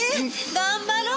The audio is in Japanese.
頑張ろう？